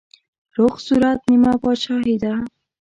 روغ صورت نيمه پاچاهي ده.